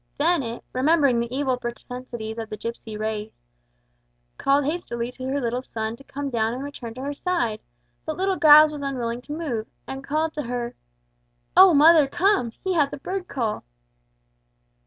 Dennet, remembering the evil propensities of the gipsy race, called hastily to her little son to come down and return to her side; but little Giles was unwilling to move, and called to her, "O mother, come! He hath a bird call!"